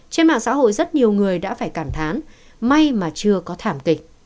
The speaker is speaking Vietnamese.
trên mạng xã hội rất nhiều người đã phải cảm thán may mà chưa có thảm kịch